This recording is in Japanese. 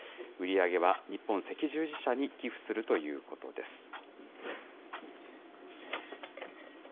売り上げは日本赤十字社に寄付するということです。